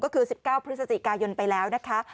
ก็คือ๑๙พฤศจิกายนไปแล้วนะคะ